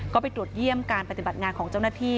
ก็ไปตรวจเยี่ยมการปฏิบัติงานของเจ้าหน้าที่